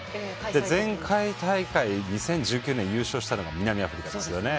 前回大会２０１９年優勝したのが南アフリカですよね。